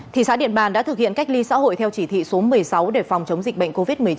thị xã điện bàn đã thực hiện cách ly xã hội theo chỉ thị số một mươi sáu để phòng chống dịch bệnh covid một mươi chín